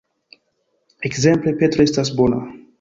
Ekzemple: Petro estas bona.